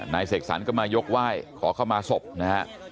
เสกสรรก็มายกไหว้ขอเข้ามาศพนะฮะ